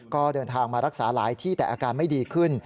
ก็เดินทางมารักษาหลายที่แต่อาการไม่ดีขึ้น